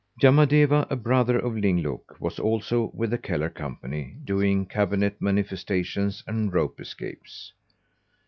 Yamadeva, a brother of Ling Look, was also with the Kellar Company, doing cabinet manifestations and rope escapes.